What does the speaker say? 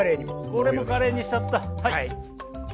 これもカレーにしちゃった。